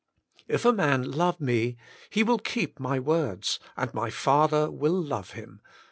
If a man love Me, He Will Keep My words, and My Father will love him " (v.